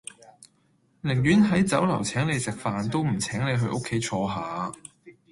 寧願喺酒樓請你食飯都唔請你去屋企坐吓